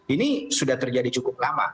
ini sudah terjadi cukup lama